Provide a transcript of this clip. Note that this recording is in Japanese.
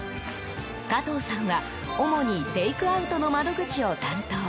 加藤さんは主にテイクアウトの窓口を担当。